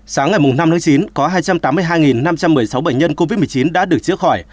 sáng ngày năm tháng chín có hai trăm tám mươi hai năm trăm một mươi sáu bệnh nhân covid một mươi chín đã được chữa khỏi